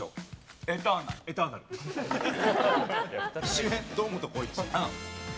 主演、堂本光一。